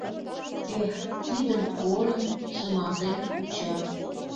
Эх, кидым порын, шыматен куча!